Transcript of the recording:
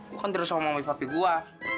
gua kan tidur sama mama ibu papi gua